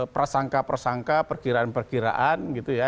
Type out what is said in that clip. prasangka prasangka perkiraan perkiraan gitu ya